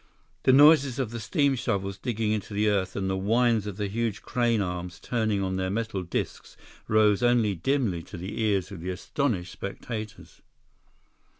The noises of the steam shovels digging into the earth and the whines of the huge crane arms turning on their metal discs rose only dimly to the ears of the astonished spectators.